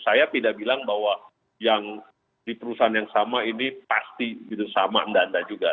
saya tidak bilang bahwa yang di perusahaan yang sama ini pasti gitu sama enggak anda juga